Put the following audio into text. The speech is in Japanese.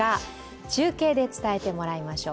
中継で伝えてもらいましょう。